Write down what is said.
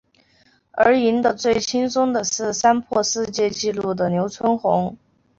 而赢得最轻松的是三破世界纪录的刘春红。